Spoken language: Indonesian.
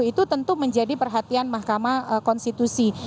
itu tentu menjadi perhatian mahkamah konstitusi